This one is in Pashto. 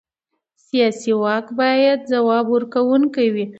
سیاسي واک باید ځواب ورکوونکی وي